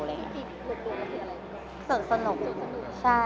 มีทีที่สนุกดูแล้วคืออะไร